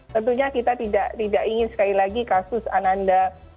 tentunya kita tidak ingin sekali lagi kasus ananda